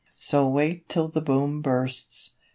So wait till the Boom bursts!